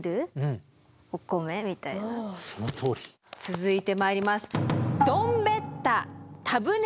続いて参ります。